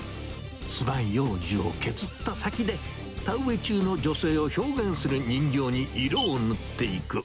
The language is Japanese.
つまようじを削った先で、田植え中の女性を表現する人形に色を塗っていく。